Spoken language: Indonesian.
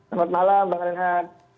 selamat malam bang renat